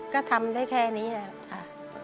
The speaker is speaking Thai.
ก็ทำได้แค่นี้แหละค่ะ